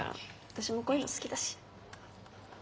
私もこういうの好きだし。